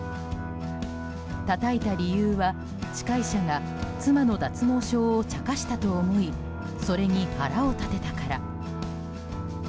たたいた理由は、司会者が妻の脱毛症を茶化したと思いそれに腹を立てたから。